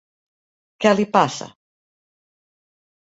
Què li passa?